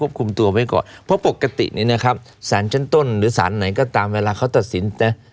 เพราะปกติเนี่ยนะครับศาลชั้นต้นหรือศาลไหนก็ตามเวลาเขาตัดสิน